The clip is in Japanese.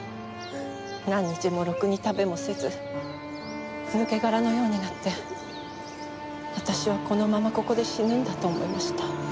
何日もろくに食べもせず抜け殻のようになって私はこのままここで死ぬんだと思いました。